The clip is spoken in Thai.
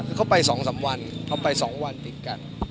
คือเขาไปสองสามวันเขาไปสองวันติดกัน